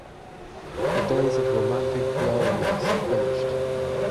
The days of romantic blurriness are finished.